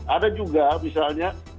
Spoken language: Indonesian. ada juga misalnya